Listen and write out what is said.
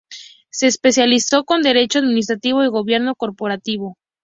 Se especializó en derecho administrativo y gobierno corporativo.